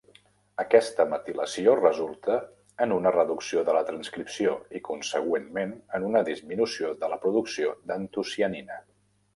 Aquesta metilació resulta en una reducció de la transcripció i, consegüentment, en una disminució de la producció d'antocianina.